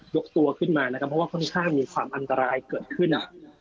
ยกตัวขึ้นมานะครับเพราะว่าค่อนข้างมีความอันตรายเกิดขึ้น